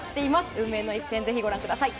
運命の一戦ぜひご覧ください。